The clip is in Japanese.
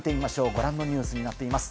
ご覧のニュースになっています。